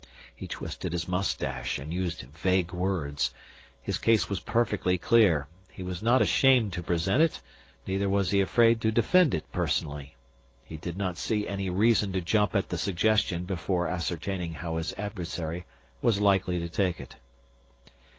He twisted his moustache and used vague words. His case was perfectly clear. He was not ashamed to present it, neither was he afraid to defend it personally. He did not see any reason to jump at the suggestion before ascertaining how his adversary was likely to take it.